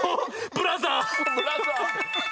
ブラザー。